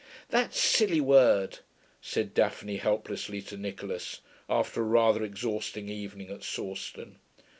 'That silly word,' said Daphne helplessly, to Nicholas, after a rather exhausting evening at Sawston.